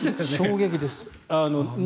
衝撃です。